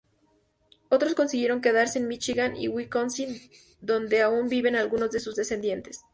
Otros consiguieron quedarse en Míchigan y Wisconsin, donde aún viven algunos de sus descendientes.